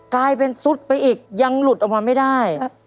กลายเป็นซุดไปอีกยังหลุดออกมาไม่ได้